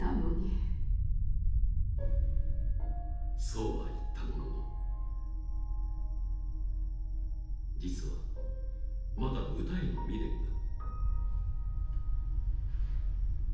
［そうは言ったものの実はまだ歌への未練が］